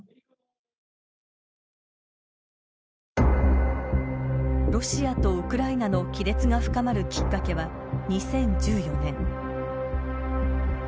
ロシアとウクライナの亀裂が深まるきっかけは２０１４年。